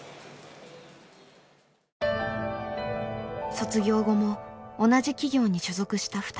卒業後も同じ企業に所属した２人。